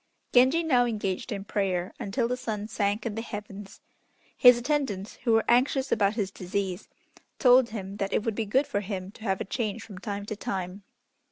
Genji now engaged in prayer until the sun sank in the heavens. His attendants, who were anxious about his disease, told him that it would be good for him to have a change from time to time.